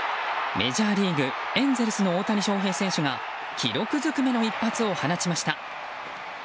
メジャーリーグエンゼルスの大谷翔平選手が記録ずくめの一発を放ちました。